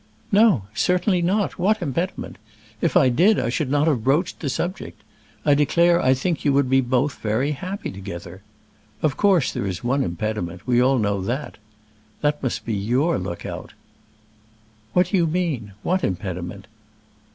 "No, certainly not. What impediment? If I did, I should not have broached the subject. I declare I think you would both be very happy together. Of course, there is one impediment; we all know that. That must be your look out." "What do you mean? What impediment?"